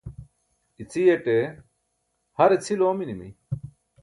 iciyaṭe har e cʰil oominimi